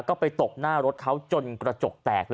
ก็ไปตบหน้ารถเขาจนกระจกแตก